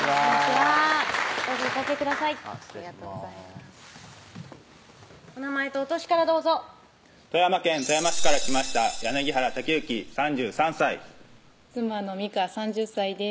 ありがとうございますお名前とお歳からどうぞ富山県富山市から来ました柳原健之３３歳妻の美果３０歳です